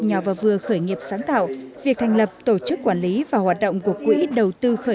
nhỏ và vừa khởi nghiệp sáng tạo việc thành lập tổ chức quản lý và hoạt động của quỹ đầu tư khởi